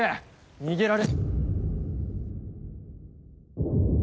逃げられ。